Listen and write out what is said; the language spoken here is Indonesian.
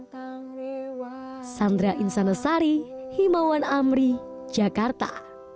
tentang riwakan kamu